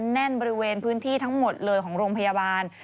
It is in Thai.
แน่นบริเวณพื้นที่ทั้งหมดเลยของโรงพยาบาล